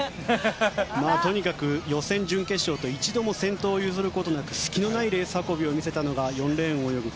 とにかく予選、準決勝と一度も先頭を譲ることなく隙のないレース運びを見せたのが４レーンを泳ぐ